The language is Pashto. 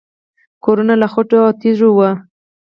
کورونه له خټو او تیږو وو